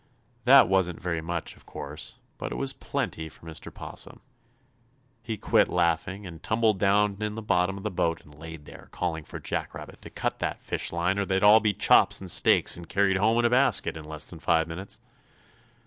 That wasn't very much, of course, but it was plenty for Mr. 'Possum. He quit laughing and tumbled down in the bottom of the boat and laid there calling for Jack Rabbit to cut that fishline or they'd all be chops and steaks and carried home in a basket in less than five minutes.